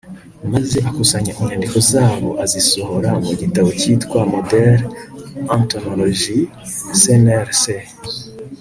maze akusanya inyandiko zabo azisohora mu gitabo kitwa, modèles en tonologie, cnrs